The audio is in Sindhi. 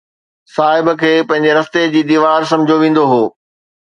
صاحب کي پنهنجي رستي جي ديوار سمجهيو ويندو هو.